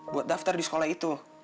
buat daftar di sekolah itu